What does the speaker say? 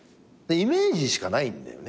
イメージしかないんだよね。